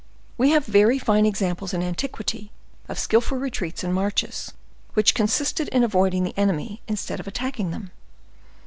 "We have very fine examples in antiquity of skillful retreats and marches, which consisted in avoiding the enemy instead of attacking them.